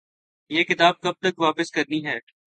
یہ کتاب کب تک واپس کرنی ہے؟